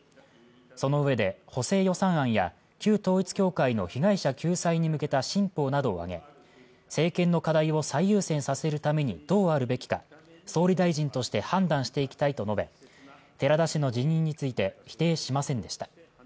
そのうえで、補正予算案や旧統一教会の被害者救済に向けた新法などを挙げ、政権の課題を最優先させるためにどうあるべきか、総理大臣として判断していきたいと述べ、寺田氏の辞任について否定しませんでした。